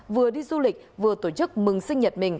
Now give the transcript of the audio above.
vừa đi du lịch vừa tổ chức mừng sinh nhật mình